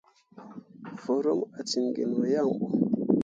Forummi ah ciŋ gi no yaŋ ɓo.